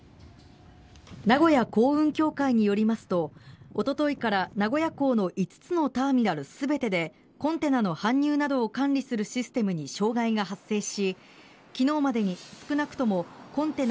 名古屋港運協会によりますとおとといから名古屋港の５つのターミナル全てでコンテナの搬入などを管理するシステムに障害が発生し、昨日までに少なくともコンテナ